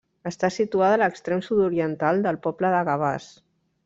Està situada a l'extrem sud-oriental del poble de Gavàs.